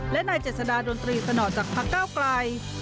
และนายเจษฎาดนตรีสนอจากพักเก้าไกล